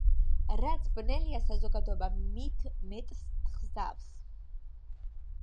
რაც ბნელია საზოგადოება, მით მეტს თხზავს.